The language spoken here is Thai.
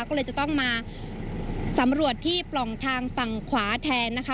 ก็เลยจะต้องมาสำรวจที่ปล่องทางฝั่งขวาแทนนะคะ